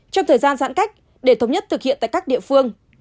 trong thời gian giãn cách để thống nhất thực hiện tại các địa phương